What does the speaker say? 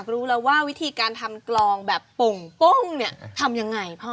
รู้แล้วว่าวิธีการทำกลองแบบโป่งปุ้งเนี่ยทำยังไงพ่อ